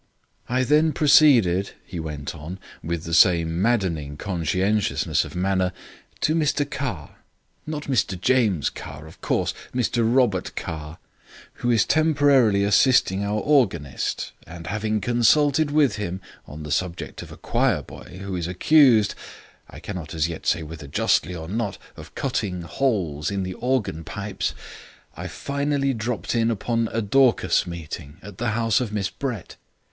"I then proceeded," he went on, with the same maddening conscientiousness of manner, "to Mr Carr (not Mr James Carr, of course; Mr Robert Carr) who is temporarily assisting our organist, and having consulted with him (on the subject of a choir boy who is accused, I cannot as yet say whether justly or not, of cutting holes in the organ pipes), I finally dropped in upon a Dorcas meeting at the house of Miss Brett.